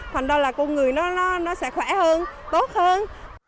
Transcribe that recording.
thành ra là con người nó sẽ khỏe hơn tốt hơn